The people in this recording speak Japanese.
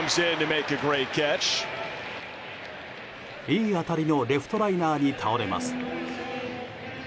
いい当たりのレフトライナーに倒れます。